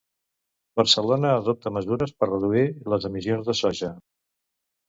Barcelona adopta mesures per reduir les emissions de soja.